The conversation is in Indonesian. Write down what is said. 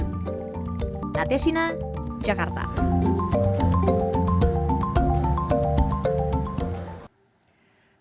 ojk tengah menggodok regulasi untuk mengawasi perkembangan fintech agar tidak merugikan konsumen